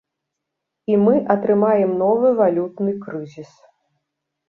І мы атрымаем новы валютны крызіс.